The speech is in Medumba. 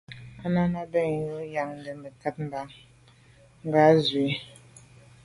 À’ nâ’ bə́ mbrə̀ bú gə ́yɑ́nə́ zə̀ mə̀kát mbâ ngɑ̀ zwí.